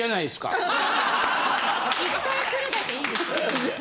１回来るだけいいですよ。